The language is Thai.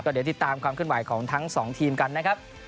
เดี๋ยวติดตามความขึ้นไหวของทั้งสองทีมกันนะครับ